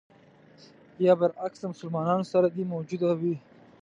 یا برعکس له مسلمانانو سره دې موجوده وي.